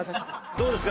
どうですか？